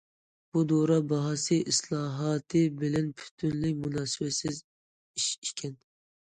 بۇ دورا باھاسى ئىسلاھاتى بىلەن پۈتۈنلەي مۇناسىۋەتسىز ئىش ئىكەن.